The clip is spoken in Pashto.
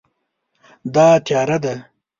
دا تیاره ده